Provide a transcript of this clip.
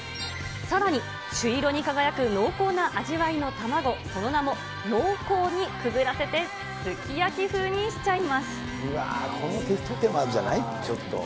さらに朱色に輝く濃厚な味わいの卵、その名も濃紅にくぐらせてすき焼き風にしちゃいます。